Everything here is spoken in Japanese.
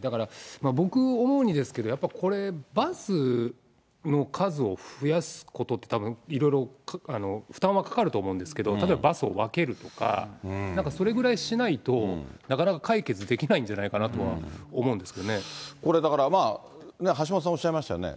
だから、僕思うにですけど、やっぱこれ、バスの数を増やすことって、いろいろ負担はかかると思うんですけど、例えばバスを分けるとか、なんかそれぐらいしないと、なかなか解決できないんじゃないかなとは思これだから、橋下さんおっしゃいましたよね。